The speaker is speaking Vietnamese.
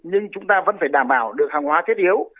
nhưng chúng ta vẫn phải đảm bảo được hàng hóa thiết yếu